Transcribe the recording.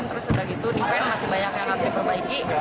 terus udah gitu defense masih banyak yang harus diperbaiki